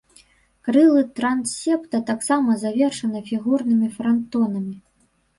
Крылы трансепта таксама завершаны фігурнымі франтонамі.